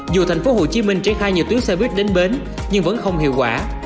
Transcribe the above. dù thành phố hồ chí minh triển khai nhiều tuyến xe buýt đến bến nhưng vẫn không hiệu quả